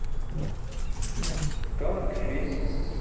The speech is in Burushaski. kaman ke ṣi